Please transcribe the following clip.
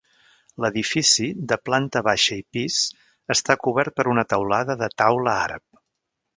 L'edifici, de planta baixa i pis, està cobert per una teulada de taula àrab.